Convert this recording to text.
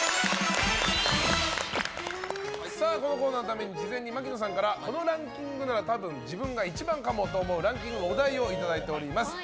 このコーナーのために事前に槙野さんからこのランキングなら多分、自分が一番かもと思うランキング、お題をいただいております。